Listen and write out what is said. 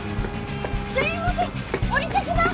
すいません降りて行きます。